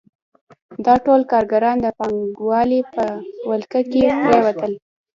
دا ټول کارګران د پانګوالو په ولکه کې پرېوتل